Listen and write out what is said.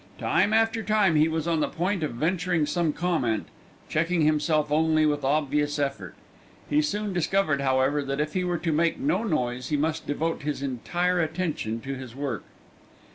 Time after time he was on the point of venturing some comment, checking himself only with obvious effort. He soon discovered, however, that if he were to make no noise he must devote his entire attention to his work.